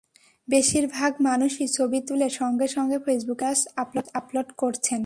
বেশির ভাগ মানুষই ছবি তুলে সঙ্গে সঙ্গে ফেসবুকে স্ট্যাটাস আপলোড করছেন।